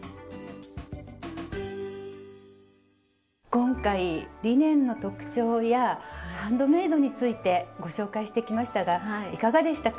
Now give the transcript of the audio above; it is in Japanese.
今回リネンの特徴やハンドメイドについてご紹介してきましたがいかがでしたか？